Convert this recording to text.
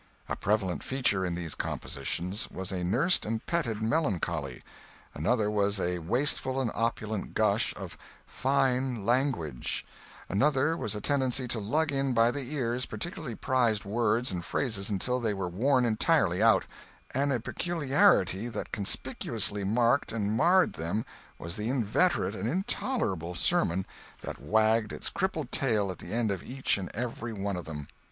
A prevalent feature in these compositions was a nursed and petted melancholy; another was a wasteful and opulent gush of "fine language"; another was a tendency to lug in by the ears particularly prized words and phrases until they were worn entirely out; and a peculiarity that conspicuously marked and marred them was the inveterate and intolerable sermon that wagged its crippled tail at the end of each and every one of them.